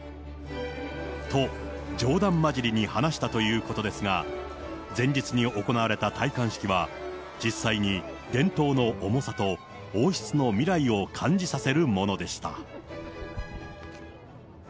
と、冗談交じりに話したということですが、前日に行われた戴冠式は、実際に伝統の重さと、王室の未来を感じさせるものでした。